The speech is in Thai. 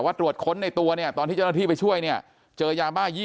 ตรวจค้นในตัวเนี่ยตอนที่เจ้าหน้าที่ไปช่วยเนี่ยเจอยาบ้า๒๐